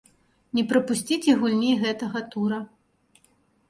Не прапусціце гульні гэтага тура.